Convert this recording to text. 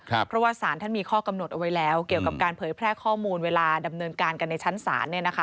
เพราะว่าสารท่านมีข้อกำหนดเอาไว้แล้วเกี่ยวกับการเผยแพร่ข้อมูลเวลาดำเนินการกันในชั้นศาล